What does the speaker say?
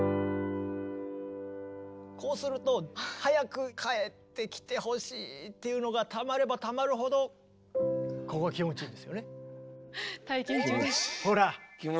こうすると早くかえってきてほしいっていうのがたまればたまるほどここ気持ちいいんですよね。